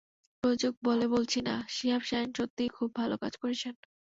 প্রযোজক বলে বলছি না, শিহাব শাহীন সত্যিই খুব ভালো কাজ করেছেন।